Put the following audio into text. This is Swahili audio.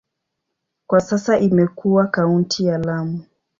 Kwa sasa imekuwa kaunti ya Lamu.